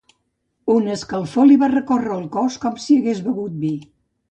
Una escalfor li va recórrer el cos com si hagués begut vi.